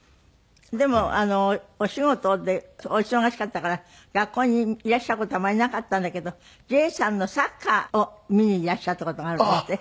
でもお仕事でお忙しかったから学校にいらした事はあんまりなかったんだけど慈英さんのサッカーを見にいらっしゃった事があるんですって？